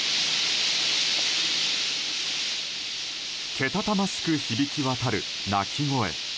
けたたましく響き渡る鳴き声。